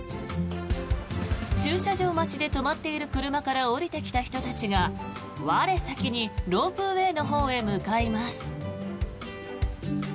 駐車場待ちで止まっている車から降りてきた人たちが我先にロープウェーのほうへ向かいます。